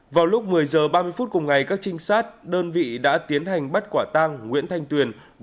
vào lúc một mươi h ba mươi phút cùng ngày các trinh sát đơn vị đã tiến hành bắt quả tang nguyễn thanh tuyền